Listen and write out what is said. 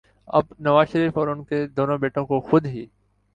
اب نواز شریف اور ان کے دونوں بیٹوں کو خود ہی